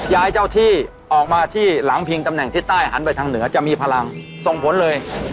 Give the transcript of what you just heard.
เจ้าที่ออกมาที่หลังพิงตำแหน่งทิศใต้หันไปทางเหนือจะมีพลังส่งผลเลย